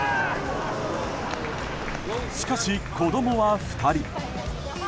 しかし、子供は２人。